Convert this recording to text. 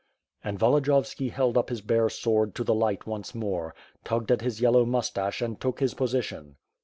And Volodiyovski held up his bare sword to the light once more, tugged at his yellow mustache and took his position.